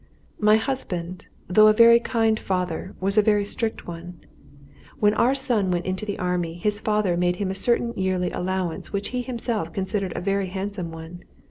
My husband, though a very kind father, was a very strict one. When our son went into the Army, his father made him a certain yearly allowance which he himself considered a very handsome one.